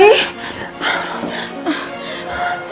oh ya ampun rizky